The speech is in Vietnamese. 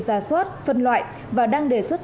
ra soát phân loại và đang đề xuất